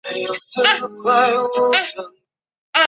东京都中野区出生。